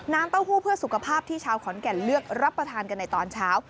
เต้าหู้เพื่อสุขภาพที่ชาวขอนแก่นเลือกรับประทานกันในตอนเช้า